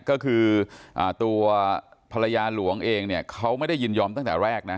ก็คือตัวภรรยาหลวงเองเนี่ยเขาไม่ได้ยินยอมตั้งแต่แรกนะ